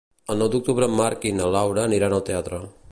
El nou d'octubre en Marc i na Laura aniran al teatre.